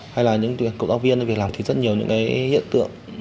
hay là những tuyển công tác viên việc làm thiết rất nhiều những hiện tượng